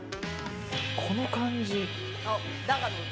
この感じ。